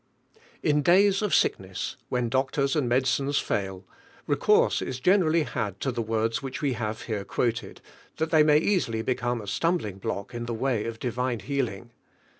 IN flays of sickness, when doctors and medicines fail, recourse is generally hud to the words we Lave here quoted, and they may easily become a stumbling block in the way of divine healing.